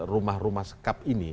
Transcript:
rumah rumah sekap ini